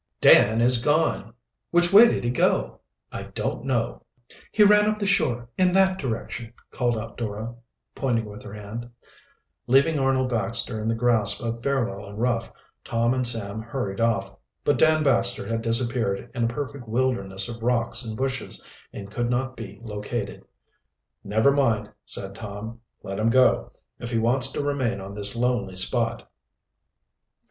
"Dan is gone!" "Which way did he go?" "I don't know." "He ran up the shore, in that direction!" called out Dora, pointing with her hand. Leaving Arnold Baxter in the grasp of Fairwell and Ruff, Tom and Sam hurried off. But Dan Baxter had disappeared in a perfect wilderness of rocks and bushes and could not be located. "Never mind," said Tom; "let him go, if he wants to remain on this lonely spot."